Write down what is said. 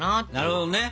なるほどね。